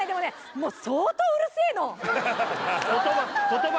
もう相当うるせえの言葉